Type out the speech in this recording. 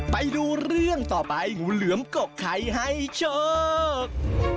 ไปดูเรื่องต่อไปงูเหลือมกกไข่ให้โชค